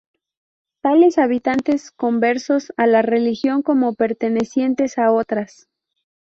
Tales habitantes conversos a la religión como pertenecientes a otras.